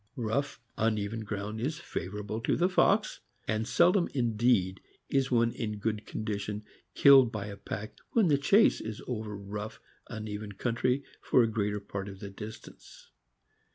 Rough, uneven ground is favorable to the fox, and sel dom indeed is one in good condition killed by a pack when the chase is over rough, uneven country for a greater part of the distance.